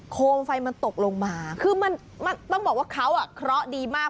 มไฟมันตกลงมาคือมันต้องบอกว่าเขาอ่ะเคราะห์ดีมาก